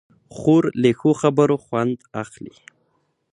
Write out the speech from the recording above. خور له ښو خبرو خوند اخلي.